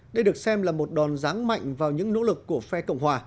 đây được xem là một đòn ráng mạnh vào những nỗ lực của phe cộng hòa